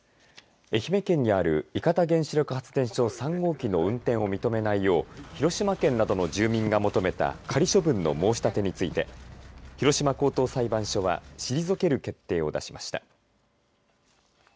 愛媛県にある伊方原子力発電所３号機の運転を認めないよう広島県などの住民が求めた仮処分の申し立てについて広島高等裁判所は退ける決定を出しました。